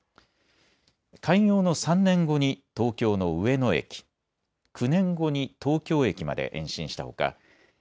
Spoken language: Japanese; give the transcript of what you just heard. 開業の３年後に東京の上野駅、９年後に東京駅まで延伸したほか